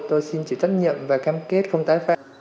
tôi xin chịu trách nhiệm và khen kết không tái phép